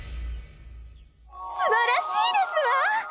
すばらしいですわ！